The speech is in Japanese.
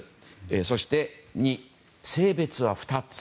そして２、性別は２つ。